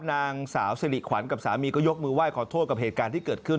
นางสาวสิริขวัญกับสามีก็ยกมือไหว้ขอโทษกับเหตุการณ์ที่เกิดขึ้น